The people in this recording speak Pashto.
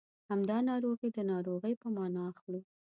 همدا ناروغي د ناروغۍ په مانا اخلو.